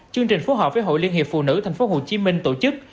chương trình phối hợp với hội liên hiệp phụ nữ tp hcm tổ chức